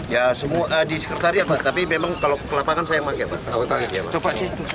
ya semua di sekretari ya pak tapi memang kalau ke lapangan saya yang pakai pak